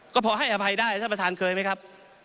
ก็พอให้อภัยได้ท่านประธานเคยไหมครับ